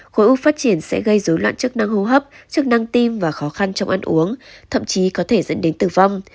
khối úc phát triển sẽ gây dối loạn chức năng hô hấp chức năng tim và khó khăn trong ăn uống thậm chí có thể dẫn đến tử vong